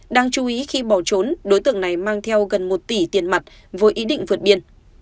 đáng chú ý khi bỏ trốn đối tượng này mang theo gần một tỷ tiền mặt với ý định vượt biên